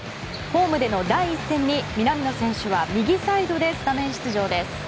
ホームでの第１戦に南野選手は右サイドでスタメン出場です。